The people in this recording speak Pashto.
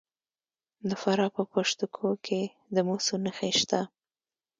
د فراه په پشت کوه کې د مسو نښې شته.